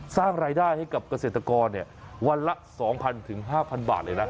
สร้างรายได้ให้กับเกษตรกรวันละ๒๐๐๕๐๐บาทเลยนะ